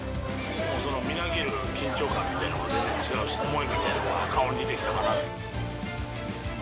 みなぎる緊張感みたいなものが全然違うし、思いみたいなものが顔に出てきたかなって。